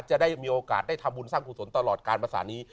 จะได้มีโอกาสได้ทำบุญสร้างกุศลตลอดการภาษานี้